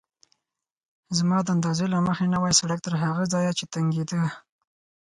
زما د اندازې له مخې نوی سړک تر هغه ځایه چې تنګېده.